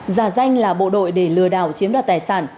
giả danh là bộ đội để lừa đảo chiếm đoạt tài sản